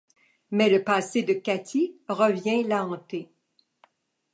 Mais le passé de Kathy revient la hanter.